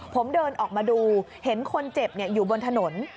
ผมเดินออกมาดูเห็นคนเจ็บอยู่บนถนน